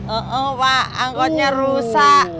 ee pak anggotnya rusak